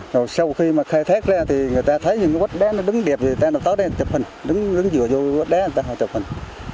rồi sau khi mà khai thác ra thì người ta thấy những cái quất đá nó đứng đẹp thì người ta đã tới đây chụp hình đứng dựa vô cái quất đá người ta chụp hình